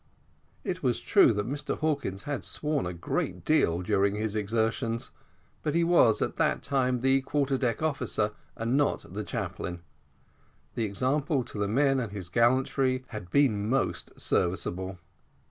It was very true that Mr Hawkins had sworn a great deal during his exertions, but he was at that time the quarter deck officer and not the chaplain; the example to the men and his gallantry had been most serviceable.